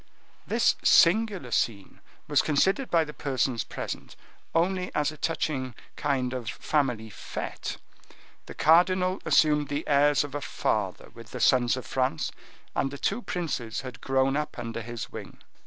This singular scene was considered by the persons present only as a touching kind of family fete. The cardinal assumed the airs of a father with the sons of France, and the two princes had grown up under his wing.